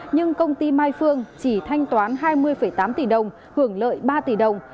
nhưng công ty mai phương chỉ thanh toán hai mươi tám tỷ đồng hưởng lợi ba tỷ đồng